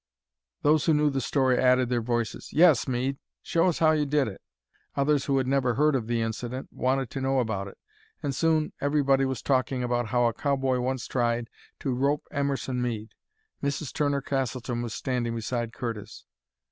Those who knew the story added their voices, "Yes, Mead; show us how you did it!" Others who had never heard of the incident wanted to know about it; and soon everybody was talking about how a cowboy once tried to rope Emerson Mead. Mrs. Turner Castleton was standing beside Curtis.